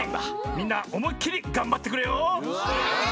みんなおもいっきりがんばってくれよ。